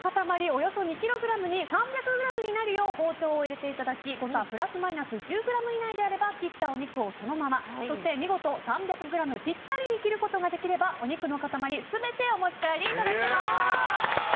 およそ２ｋｇに３００ｇになるよう包丁を入れていただき誤差プラスマイナス１０ｇ以内であれば切ったお肉をそのままそして見事３００ｇピッタリに切ることができればお肉の塊全てお持ち帰りいただけます。